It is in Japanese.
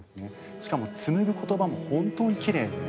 しかも紡ぐ言葉も本当に奇麗で。